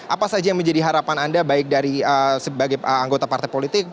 apa saja yang menjadi harapan anda baik dari sebagai anggota partai politik